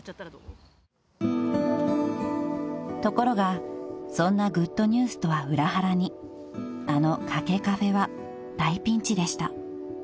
［ところがそんなグッドニュースとは裏腹にあのかけカフェは大ピンチでした］